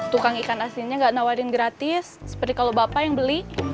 tukang ikan aslinya nggak nawarin gratis seperti kalau bapak yang beli